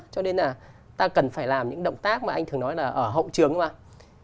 cho nên là ta cần phải làm những động tác mà anh thường nói là ở hậu trường không ạ